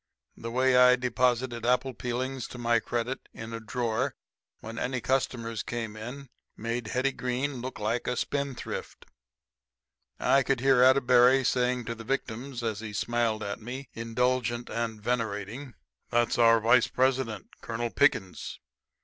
The way I deposited apple peelings to my credit in a drawer when any customers came in made Hetty Green look like a spendthrift. I could hear Atterbury saying to victims, as he smiled at me, indulgent and venerating, "That's our vice president, Colonel Pickens